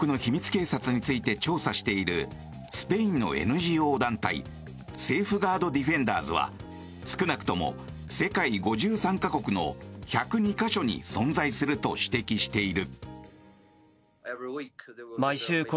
警察について調査しているスペインのＮＧＯ団体セーフガード・ディフェンダーズは少なくとも世界５３か国の１０２か所に存在すると指摘している。